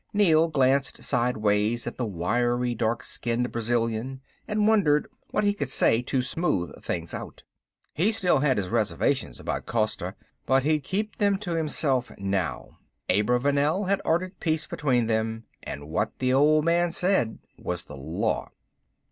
Neel glanced sideways at the wiry, dark skinned Brazilian and wondered what he could say to smooth things out. He still had his reservations about Costa, but he'd keep them to himself now. Abravanel had ordered peace between them, and what the old man said was the law.